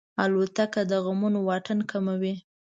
الوتکه د غمونو واټن کموي.